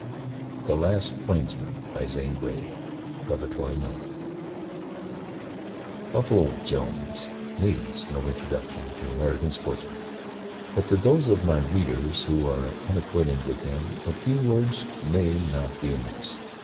THE LAST OF THE PLAINSMEN by ZANE GREY PREFATORY NOTE Buffalo Jones needs no introduction to American sportsmen, but to these of my readers who are unacquainted with him a few words may not be amiss.